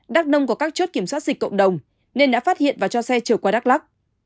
đắk nông có các chốt kiểm soát dịch cộng đồng nên đã phát hiện và cho xe trở qua đắk lắc